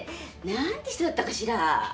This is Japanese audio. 何て人だったかしら？